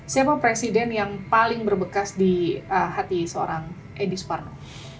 siapa presiden yang paling berbekas di hati seorang edi suparno